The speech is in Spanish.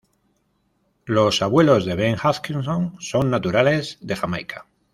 Los abuelos de Ben Hutchinson son naturales de Jamaica.